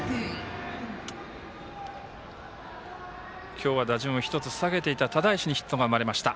今日は打順を１つ下げていた只石にヒットが生まれました。